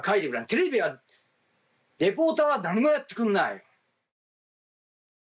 テレビは、レポーターは何もやってくれない。